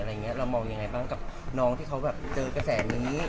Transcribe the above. เรามองอย่างไรบ้างน้องที่เค้าเจอกระแสวนี้